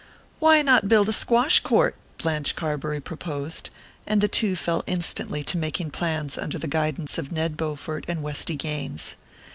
"Why not build a squash court?" Blanche Carbury proposed; and the two fell instantly to making plans under the guidance of Ned Bowfort and Westy Gaines.